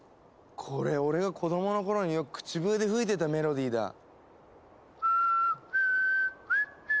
これ俺が子どもの頃によく口笛で吹いてたメロディーだ。